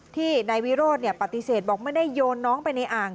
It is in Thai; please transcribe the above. ที่นายวิโรธปฏิเสธบอกไม่ได้โยนน้องไปในอ่าง